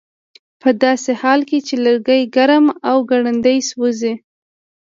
ه داسې حال کې چې لرګي ګرم او ګړندي سوځي